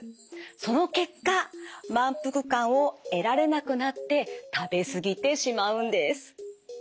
その結果満腹感を得られなくなって食べ過ぎてしまうんです。